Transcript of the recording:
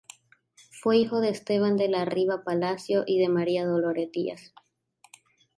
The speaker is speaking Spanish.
Fue hijo de Esteban de la Riva Palacio y de María Dolores Díaz.